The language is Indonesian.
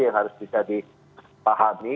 yang harus bisa dipahami